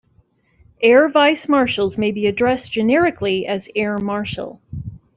Air vice-marshals may be addressed generically as "air marshal".